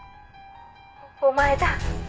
「お前だ」